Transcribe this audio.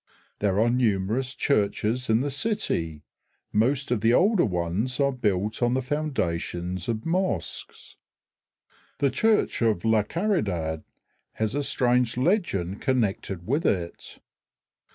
There are numerous churches in the city; most of the older ones are built on the foundations of mosques. The church of La Caridad has a strange legend connected with it.